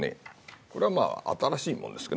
これは新しいものです。